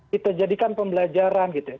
kita jadikan pembelajaran gitu ya